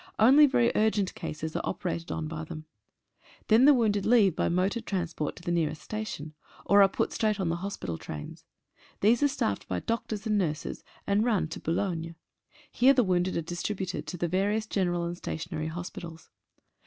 Only very urgent cases are operated on by them. Then the wounded leave by motor transport to the nearest station, or are put straight on the hospital trains. These are staffed by doctors and nurses, and run to Boulogne. Here the wounded are 16 CANADIAN NURSES. distributed to the various general and stationary hospi tals.